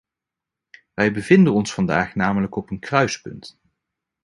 Wij bevinden ons vandaag namelijk op een kruispunt.